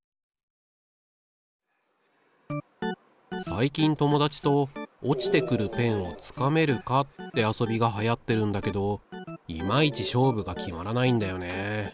最近友達と落ちてくるペンをつかめるかって遊びがはやってるんだけどいまいち勝負が決まらないんだよね。